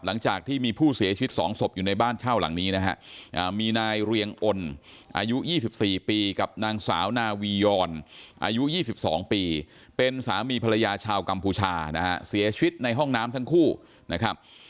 หลังจากที่มีผู้เสียชีวิต๒ศพอยู่ในบ้านเช่าหลังนี้นะฮะมีนายเรียงอลอายุ๒๔ปีกับนางสาวนาวียอนอายุ๒๒ปีเป็นสามีภรรยาชาวกัมพูชานะฮะเสียชีวิตในห้องน้ำทั้งคู่นะครับ